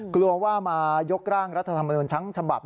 กลัวว่ามายกร่างรัฐธรรมนุนทั้งฉบับ